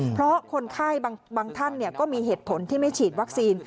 เพราะคนไข้บางท่านก็มีเหตุผลที่ไม่ฉีดวัคซีน